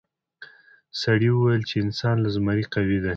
سړي وویل چې انسان له زمري قوي دی.